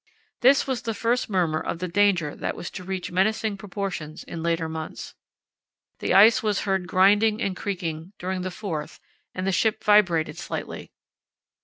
This was the first murmur of the danger that was to reach menacing proportions in later months. The ice was heard grinding and creaking during the 4th and the ship vibrated slightly.